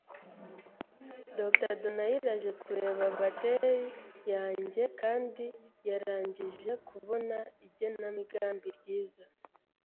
Dr Donaila aje kureba bateri yanjye kandi yarangije kubona igenamigambi ryiza.